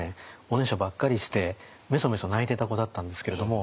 おねしょばっかりしてめそめそ泣いてた子だったんですけれども。